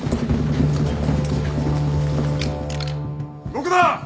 動くな！